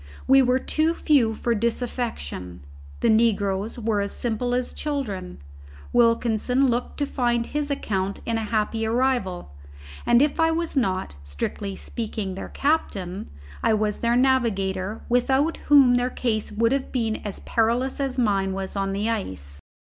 We were too few for disaffection. The negroes were as simple as children, Wilkinson looked to find his account in a happy arrival, and if I was not, strictly speaking, their captain, I was their navigator without whom their case would have been as perilous as mine was on the ice.